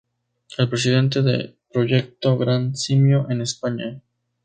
Es presidente de Proyecto Gran Simio en España.